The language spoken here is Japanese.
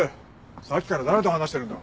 さっきから誰と話してるんだ。